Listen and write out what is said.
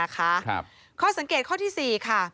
ข้อสังเกตข้อที่๔ค่ะ